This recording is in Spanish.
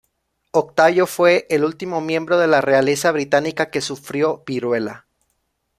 Octavio fue el último miembro de la realeza británica que sufrió viruela.